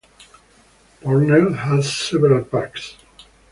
Parnell has several parks.